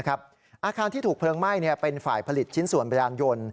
อาคารที่ถูกเพลิงไหม้เป็นฝ่ายผลิตชิ้นส่วนบรรยานยนต์